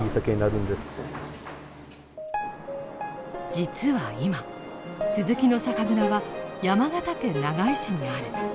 実は今鈴木の酒蔵は山形県長井市にある。